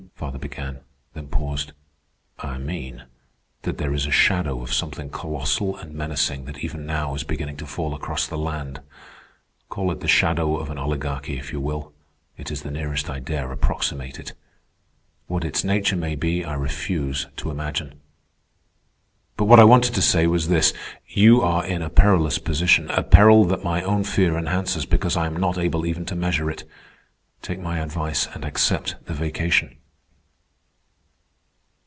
?" father began, then paused. "I mean that there is a shadow of something colossal and menacing that even now is beginning to fall across the land. Call it the shadow of an oligarchy, if you will; it is the nearest I dare approximate it. What its nature may be I refuse to imagine. But what I wanted to say was this: You are in a perilous position—a peril that my own fear enhances because I am not able even to measure it. Take my advice and accept the vacation."